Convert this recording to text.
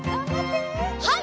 はい！